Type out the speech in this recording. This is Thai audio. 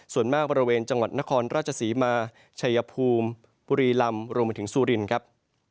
ส่วนมากบริเวณจังหวัดนครราชศรีมาชัยภูมิบุรีลำรวมไปถึงสุรินครับ